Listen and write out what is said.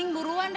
ini tuh nih